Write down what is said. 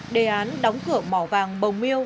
đề án đóng cửa mỏ vàng bồng miêu